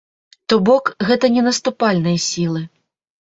То бок, гэта не наступальныя сілы.